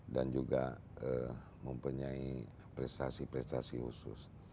dan juga mempunyai prestasi prestasi khusus